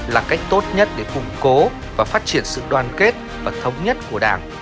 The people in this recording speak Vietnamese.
là cách tốt nhất để củng cố và phát triển sự đoàn kết và thống nhất của đảng